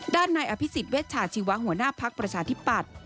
ด้านในอภิษฎเวชาชีวะหัวหน้าภักดิ์ประชาธิปัตย์